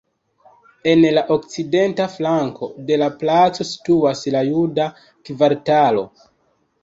En la okcidenta flanko de la placo situas la juda kvartalo.